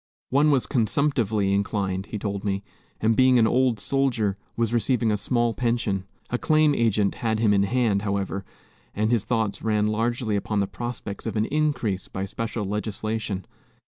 One was consumptively inclined, he told me, and being an old soldier, was receiving a small pension. A claim agent had him in hand, however, and his thoughts ran largely upon the prospects of an increase by special legislation.